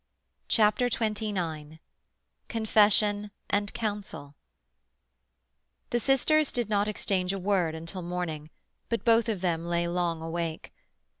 CHAPTER XXIX CONFESSION AND COUNSEL The sisters did not exchange a word until morning, but both of them lay long awake.